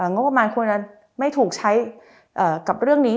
งบประมาณควรจะไม่ถูกใช้กับเรื่องนี้